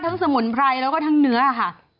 สมุนไพรแล้วก็ทั้งเนื้อค่ะ